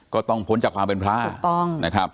ก็ต้องพ้นจากความเป็นพระถูกต้องนะครับ